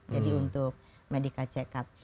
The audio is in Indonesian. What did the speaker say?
jadi untuk medical check up